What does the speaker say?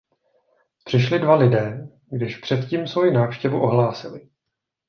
Přišli dva lidé, když před tím svoji návštěvu ohlásili.